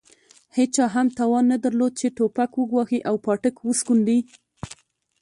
هېچا هم توان نه درلود چې توپک وګواښي او پاټک وسکونډي.